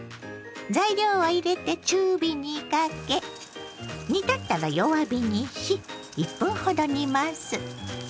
材料を入れて中火にかけ煮立ったら弱火にし１分ほど煮ます。